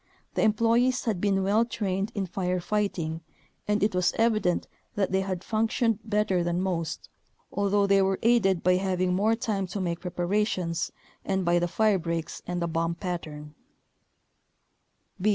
The em ployees had been well trained in fire fighting and it was evident that they had functioned better than most, although they were aided by having more time to make preparations and by the firebreaks and the bomb pattern.